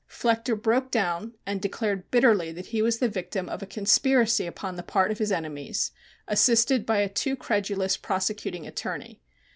Flechter broke down and declared bitterly that he was the victim of a conspiracy upon the part of his enemies, assisted by a too credulous prosecuting attorney.